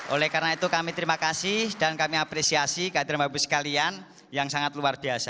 oleh karena itu kami terima kasih dan kami apresiasi kehadiran bapak ibu sekalian yang sangat luar biasa